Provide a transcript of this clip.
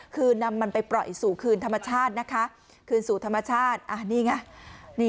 คือนำมันไปปล่อยสู่คืนธรรมชาตินะคะคืนสู่ธรรมชาตินี่ไง